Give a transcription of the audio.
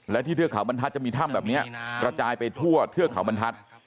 และที่เทือกเขาบรรทัศน์จะมีถ้ำแบบนี้กระจายไปทั่วเทือกเขาบรรทัศน์